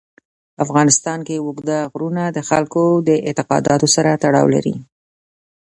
په افغانستان کې اوږده غرونه د خلکو د اعتقاداتو سره تړاو لري.